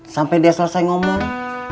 sampai dia selesai ngomong